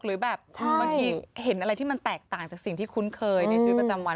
หรือแบบบางทีเห็นอะไรที่มันแตกต่างจากสิ่งที่คุ้นเคยในชีวิตประจำวัน